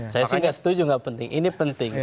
saya sih nggak setuju nggak penting ini penting